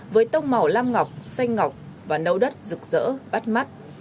với tông màu lam ngọc xanh ngọc và nâu đất rực rỡ bắt mắt